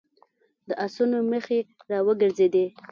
د آسونو مخې را وګرځېدې.